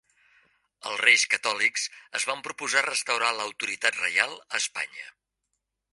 Els Reis Catòlics es van proposar restaurar l'autoritat reial a Espanya.